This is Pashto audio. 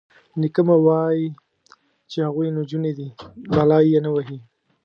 _نيکه مې وايي چې هغوی نجونې دي، بلا يې نه وهي.